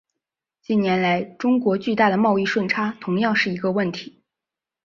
近年来中国巨大的贸易顺差同样是一个问题。